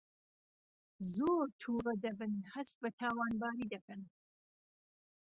زۆر تووڕە دەبن هەست بە تاوانباری دەکەن